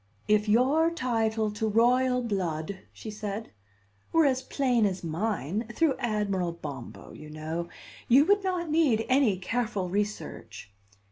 "If your title to royal blood," she said, "were as plain as mine (through Admiral Bombo, you know), you would not need any careful research."